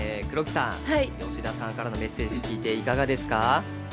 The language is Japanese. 黒木さん、吉田さんからのメッセージを聞いていかがですか？